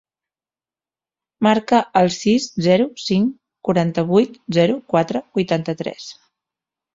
Marca el sis, zero, cinc, quaranta-vuit, zero, quatre, vuitanta-tres.